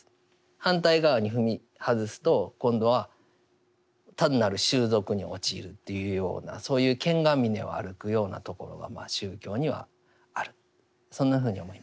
反対側に踏み外すと今度は単なる習俗に陥るというようなそういう剣が峰を歩くようなところが宗教にはあるそんなふうに思います。